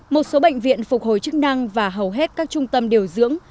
một số bệnh viện phục hồi chức năng và hầu hết các trung tâm điều dưỡng